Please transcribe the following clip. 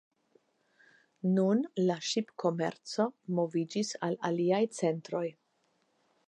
Nun la ŝipkomerco moviĝis al aliaj centroj.